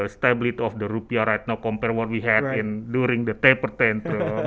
stabilitas rupiah sekarang berbanding dengan yang kita miliki saat taper sepuluh